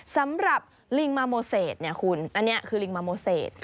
สำหรับลิงมาโมเศษเนี่ยคุณอันนี้คือลิงมาโมเศษ